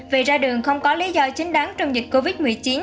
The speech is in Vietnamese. vì ra đường không có lý do chính đáng trong dịch covid một mươi chín